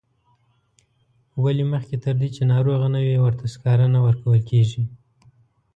ولې مخکې تر دې چې ناروغه نه وي ورته سکاره نه ورکول کیږي.